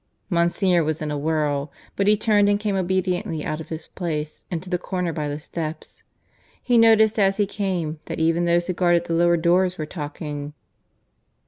Monsignor was in a whirl; but he turned and came obediently out of his place into the corner by the steps. He noticed as he came that even those who guarded the lower doors were talking.